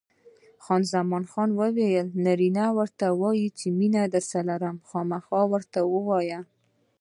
خان زمان وویل: نارینه ورته وایي چې مینه درسره لرم؟ خامخا راته ووایه.